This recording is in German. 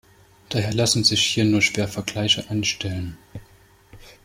Daher lassen sich hier nur schwer Vergleiche anstellen.